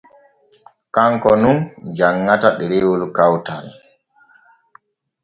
Kanko nun janŋata ɗerewol kawtal.